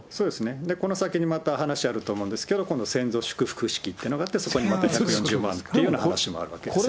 この先にまた、話あると思うんですけど、今度、先祖祝福式というのがあって、そこにまだ１４０万円という話もあるわけです。